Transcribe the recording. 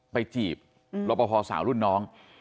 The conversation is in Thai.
จีบรปภสาวรุ่นน้อง